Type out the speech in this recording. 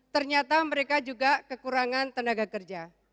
ternyata mereka juga kekurangan tenaga kerja